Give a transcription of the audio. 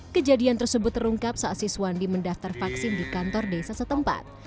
kejadian tersebut terungkap saat siswandi mendaftar vaksin di kantor desa setempat